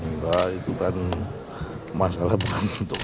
enggak itu kan masalah bukan untuk